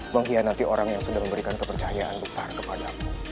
mengkhianati orang yang sudah memberikan kepercayaan besar kepadamu